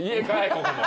ここも。